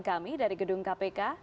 kami dari gedung kpk